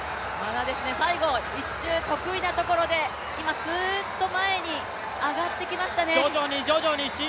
最後１周、得意なところで今すーっと前に上がってきましたね。